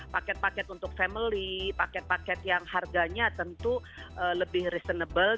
paket paket untuk family paket paket yang harganya tentu lebih reasonable